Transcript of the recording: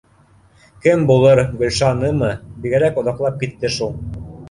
Кем булыр? Гөлшанымы? Бигерәк оҙаҡлап китте шул